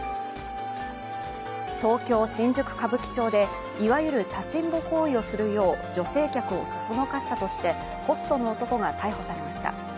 東京・新宿歌舞伎町で、いわゆる立ちんぼ行為をするよう女性客をそそのかしたとして、ホストの男が逮捕されました。